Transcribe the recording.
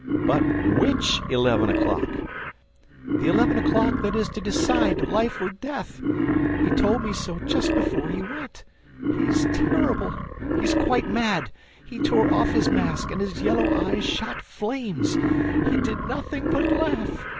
"But which eleven o'clock?" "The eleven o'clock that is to decide life or death! ... He told me so just before he went ... He is terrible ... He is quite mad: he tore off his mask and his yellow eyes shot flames! ... He did nothing but laugh!